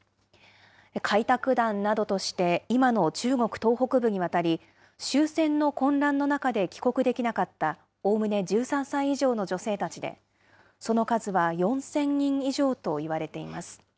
開拓団などとして今の中国東北部に渡り、終戦の混乱の中で帰国できなかった、おおむね１３歳以上の女性たちで、その数は４０００人以上といわれています。